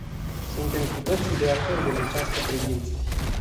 Suntem cu toții de acord în această privință.